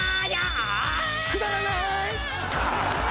くだらない。